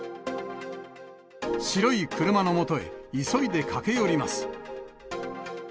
白い車のもとへ、急いで駆け寄ります。